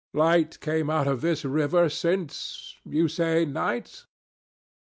... Light came out of this river since you say Knights?